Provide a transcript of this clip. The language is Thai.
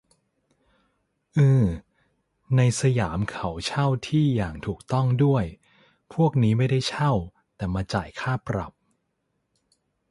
อือ ในสยามเขาเช่าที่อย่างถูกต้องด้วย พวกนี้ไม่ได้เช่าแต่มาจ่ายค่าปรับ